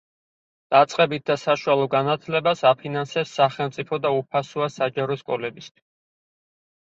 დაწყებით და საშუალო განათლებას აფინანსებს სახელმწიფო და უფასოა საჯარო სკოლებისთვის.